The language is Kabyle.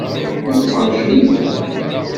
Meqqer cweyya?